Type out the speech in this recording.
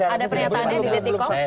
ada pernyataannya di detik kok